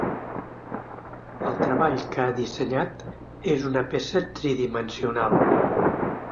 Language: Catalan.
El treball que ha dissenyat és una peça tridimensional.